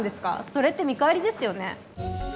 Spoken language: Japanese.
それって見返りですよね？